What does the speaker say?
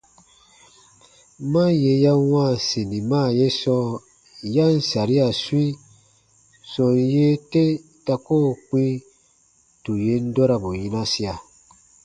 Ma yè ya wãa sinima ye sɔɔ ya ǹ saria swĩi, sɔm yee te ta koo kpĩ tù yen dɔrabu yinasia.